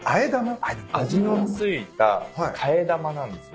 味の付いた替え玉なんですよ。